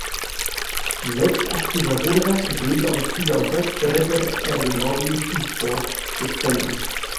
Selbst aktiver Ruderer, Segler und Skiläufer förderte er den norwegischen Sport durch Spenden.